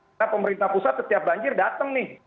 karena pemerintah pusat setiap banjir datang nih